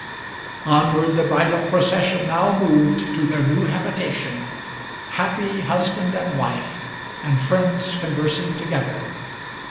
Onward the bridal procession now moved to their new habitation, Happy husband and wife, and friends conversing together.